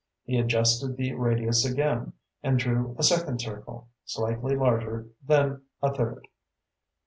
He adjusted the radius again, and drew a second circle, slightly larger, then a third.